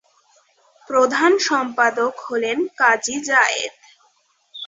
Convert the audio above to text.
প্রধান সম্পাদক হলেন- কাজী জায়েদ।